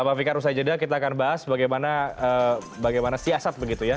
pak fikar usai jeda kita akan bahas bagaimana siasat begitu ya